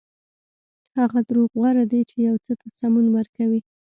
هغه دروغ غوره دي چې یو څه ته سمون ورکوي.